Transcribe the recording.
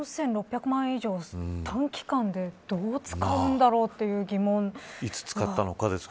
４６００万円以上を短期間でどう使うんだろうという疑問があります。